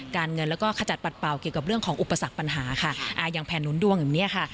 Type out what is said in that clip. การเงินแล้วก็ขจัดปัดเป่าเกี่ยวกับเรื่องของอุปสรรคปัญหาค่ะอ่าอย่างแผ่นหนุนดวงอย่างเนี้ยค่ะ